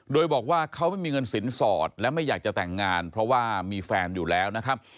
โดยบอกว่าเขาไม่มีเงินสินสอดและไม่อยากจะแต่งงานเพราะว่ามีแฟนอยู่แล้วนะครับ